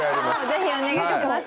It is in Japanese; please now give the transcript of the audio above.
是非お願いします